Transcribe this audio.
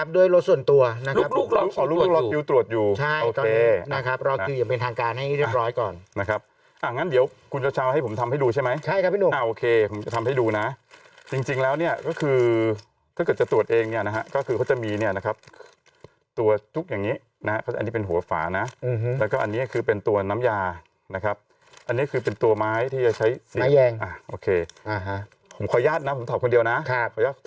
ด้วยรถส่วนตัวลูกรอดตรวจอยู่รอดอยู่ตรวจอยู่รอดอยู่ตรวจอยู่ตรวจอยู่ตรวจอยู่ตรวจอยู่ตรวจอยู่ตรวจอยู่ตรวจอยู่ตรวจอยู่ตรวจอยู่ตรวจอยู่ตรวจอยู่ตรวจอยู่ตรวจอยู่ตรวจอยู่ตรวจอยู่ตรวจอยู่ตรวจอยู่ตรวจอยู่ตรวจอยู่ตรวจอยู่ตรวจอยู่ตรวจอยู่ตรวจอยู่ตรวจอยู่ตรวจอยู่ต